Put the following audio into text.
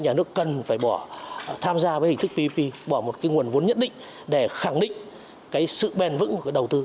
nhà nước cần phải tham gia với hình thức pvp bỏ một nguồn vốn nhất định để khẳng định sự bền vững của đầu tư